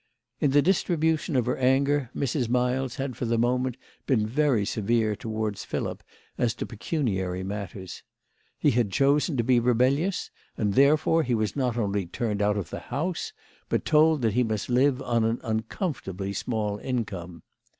In the distribution of her anger Mrs. Miles had for the moment been very severe towards Philip as to pecuniary matters. He had chosen to be rebellious, and therefore he was not only turned out of the house, but told that he must live on an uncomfortably small income.